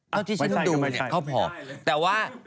เท่าที่ฉันดูเนี่ยเขาผอมไม่ใช่ไม่ใช่แต่ว่า